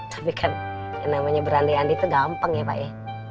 tapi kan yang namanya berandai andai itu gampang ya pak ya